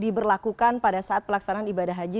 diberlakukan pada saat pelaksanaan ibadah haji